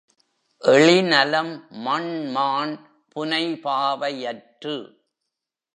எழினலம் மண்மாண் புனைபாவை யற்று